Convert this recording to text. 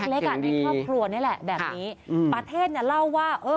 เล็กอ่ะในครอบครัวนี่แหละแบบนี้ประเทศเนี่ยเล่าว่าเออ